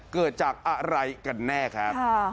เกิดจากอะไรกันแน่ครับ